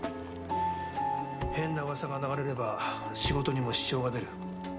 変なうわさが流れれば、仕事にも支障が出る。